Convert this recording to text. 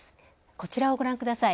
こちらをご覧ください。